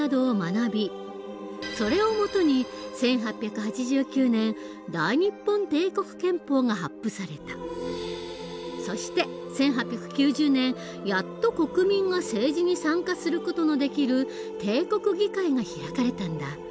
それを基にそして１８９０年やっと国民が政治に参加する事のできる帝国議会が開かれたんだ。